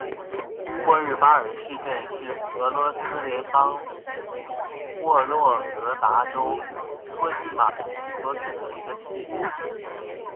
沃日巴尔市镇是俄罗斯联邦沃洛格达州托季马区所属的一个市镇。